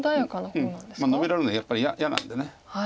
うんノビられるのやっぱり嫌なんで。